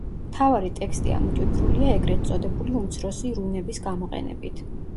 მთავარი ტექსტი ამოტვიფრულია ეგრეთ წოდებული „უმცროსი რუნების“ გამოყენებით.